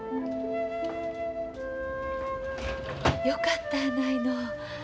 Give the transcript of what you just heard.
よかったやないの。